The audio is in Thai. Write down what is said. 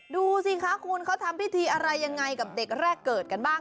ดูสิคะคุณเขาทำพิธีอะไรยังไงกับเด็กแรกเกิดกันบ้าง